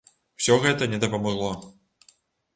Усё гэта не дапамагло.